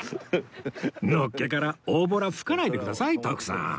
のっけから大ぼら吹かないでください徳さん